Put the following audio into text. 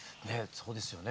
そうですよね。